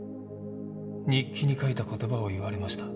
日記に書いた言葉を言われました。